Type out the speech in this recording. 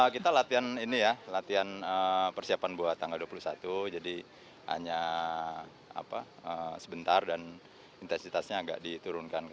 kita latihan ini ya latihan persiapan buat tanggal dua puluh satu jadi hanya sebentar dan intensitasnya agak diturunkan